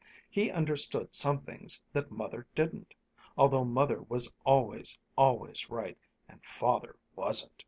He understood some things that Mother didn't, although Mother was always, always right, and Father wasn't.